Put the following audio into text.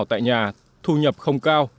tại nhà thu nhập không cao